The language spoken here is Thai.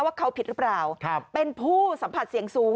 ว่าเขาผิดหรือเปล่าเป็นผู้สัมผัสเสี่ยงสูง